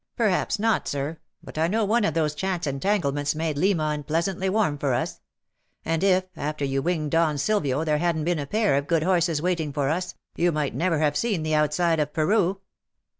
" Perhaps not, Sir ; but I know one of those chance entanglements made Lima unpleasantly warm for us; and if, after you winged Don Silvio, there hadn't been a pair of good horses waiting for us, you might never have seen the outside of Peru."